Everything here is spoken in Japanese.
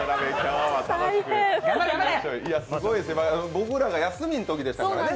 僕らが休みのときでしたからね。